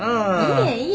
いえいえ。